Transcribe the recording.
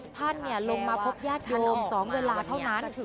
ท่านลงมาพบญาติธานม๒เวลาเท่านั้น